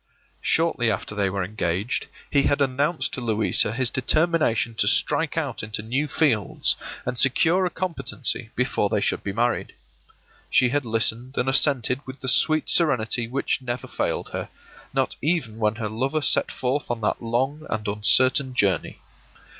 Shortly after they were engaged he had announced to Louisa his determination to strike out into new fields, and secure a competency before they should be married. She had listened and assented with the sweet serenity which never failed her, not even when her lover set forth on that long and uncertain journey.